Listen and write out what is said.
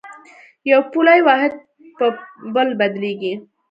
یو پولي واحد په بل بدلېږي.